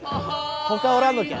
ほかおらんのきゃ？